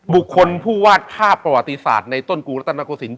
บุคคลผู้วาดภาพประวัติศาสตร์ในต้นกรุงรัฐนาโกศิลป